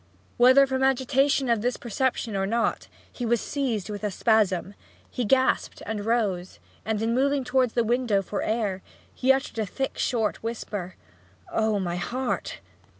Whether from the agitation of this perception or not, he was seized with a spasm; he gasped, rose, and in moving towards the window for air he uttered in a short thick whisper, 'Oh, my heart!'